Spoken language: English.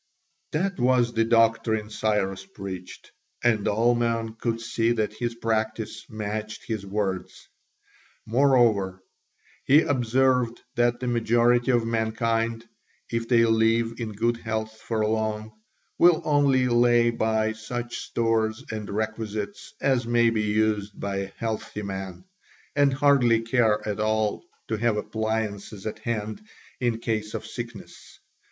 That was the doctrine Cyrus preached, and all men could see that his practice matched his words. Moreover, he observed that the majority of mankind, if they live in good health for long, will only lay by such stores and requisites as may be used by a healthy man, and hardly care at all to have appliances at hand in case of sickness.